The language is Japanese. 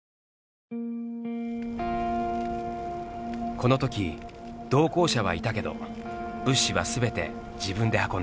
このとき同行者はいたけど物資はすべて自分で運んだ。